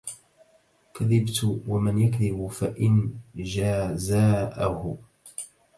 كذبت ومن يكذب فإن جزاءه